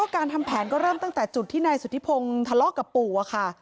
การทำแผนก็เริ่มตั้งแต่จุดที่นายสุธิพงศ์ทะเลาะกับปู่อะค่ะ